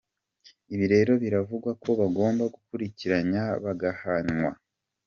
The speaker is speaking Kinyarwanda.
Ibi rero biravuga ko bagomba gukurikiranya bagahanywa.